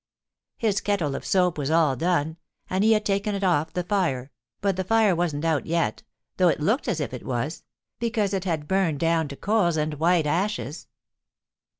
His kettle of soap was all done, and he had taken it off of the fire, but the fire wasn't out yet, though it looked as if it was, because it had burned down to coals and white ashes.